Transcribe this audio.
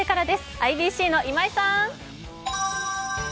ＩＢＣの今井さん！